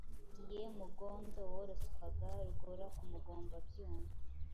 Ye Mugondo woroswaga Rugora Ku mugomba- byuma,